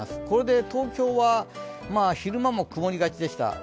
これで東京は、昼間もくもりがちでした。